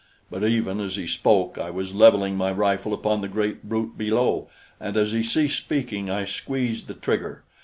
But even as he spoke, I was leveling my rifle upon the great brute below; and as he ceased speaking, I squeezed the trigger.